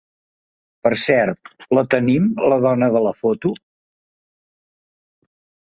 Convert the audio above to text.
Per cert, la tenim, la dona de la foto?